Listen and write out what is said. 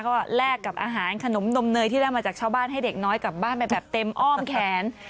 ก็แลกกับอาหารขนมนมเนยที่ได้มาจากชาวบ้านให้เด็กน้อยกลับบ้านไปแบบเต็มอ้อมแขน